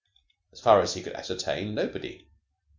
As far as he could ascertain, nobody.